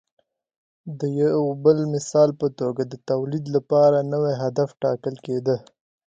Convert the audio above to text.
د یو بل مثال په توګه د تولید لپاره نوی هدف ټاکل کېده